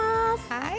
はい。